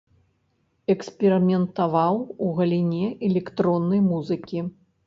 Эксперыментаваў у галіне электроннай музыкі.